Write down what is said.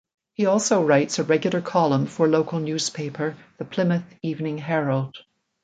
He also writes a regular column for local newspaper the Plymouth Evening Herald.